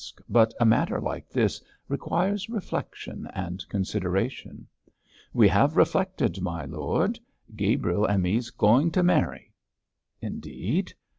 But a matter like this requires reflection and consideration.' 'We have reflected, my lord. Gabriel and me's going to marry.' 'Indeed!